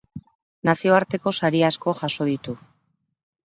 Nazioarteko sari asko jaso ditu.